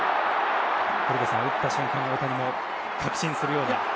古田さん、打った瞬間の大谷も確信するような。